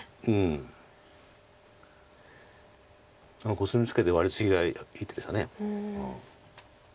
コスミツケてワリツギがいい手でした。